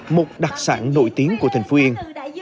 một đặc sản nổi tiếng của thành phố yên